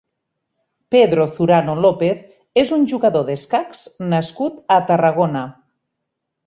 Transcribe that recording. Pedro Zurano López és un jugador d'escacs nascut a Tarragona.